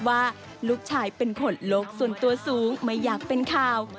ว่าลูกชายเป็นคนโลกส่วนตัวสูงไม่อยากเป็นข่าว